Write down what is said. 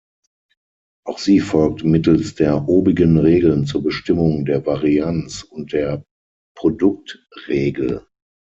Auch sie folgt mittels der obigen Regeln zur Bestimmung der Varianz und der Produktregel.